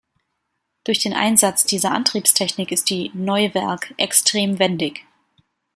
Durch den Einsatz dieser Antriebstechnik ist die "Neuwerk" extrem wendig.